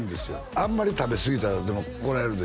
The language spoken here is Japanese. あんまり食べすぎたらでも怒られるでしょ？